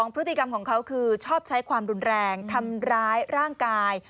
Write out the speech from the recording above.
พฤติกรรมของเขาคือชอบใช้ความรุนแรงทำร้ายร่างกาย